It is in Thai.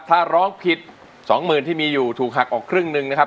ถ้าร้องผิดสองหมื่นที่มีอยู่ถูกหักออกครึ่งหนึ่งนะครับ